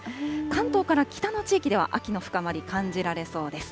関東から北の地域では、秋の深まり、感じられそうです。